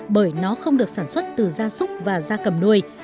bởi nó không được sản xuất từ gia súc và da cầm nuôi